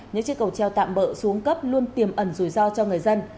những chiếc cầu treo tạm bỡ xuống cấp luôn tiềm ẩn rủi ro cho người dân